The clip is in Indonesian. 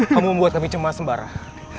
kamu membuat kami cemas sembarang